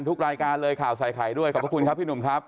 ทุกรายการเลยข่าวใส่ไข่ด้วยขอบพระคุณครับพี่หนุ่มครับ